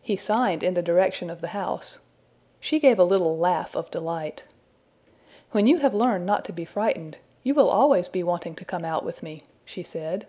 He signed in the direction of the house. She gave a little laugh of delight. ``When you have learned not to be frightened, you will always be wanting to come out with me,'' she said.